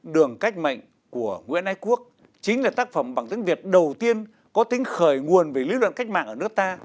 đường cách mệnh của nguyễn ái quốc chính là tác phẩm bằng tiếng việt đầu tiên có tính khởi nguồn về lý luận cách mạng ở nước ta